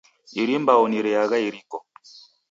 Iri mbau ni reagha iriko.